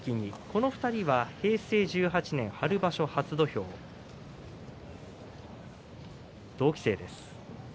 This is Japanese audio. この２人は平成１８年春場所初土俵、同期生です。